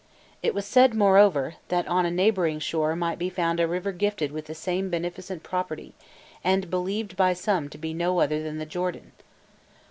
It was said, moreover, that on a neighboring shore might be found a river gifted with the same beneficent property, and believed by some to be no other than the Jordan.